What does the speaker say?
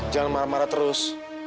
jangan marah marah terus